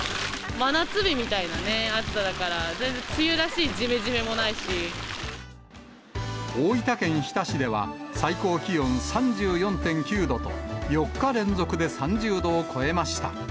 真夏日みたいなね、暑さだから、大分県日田市では、最高気温３４．９度と、４日連続で３０度を超えました。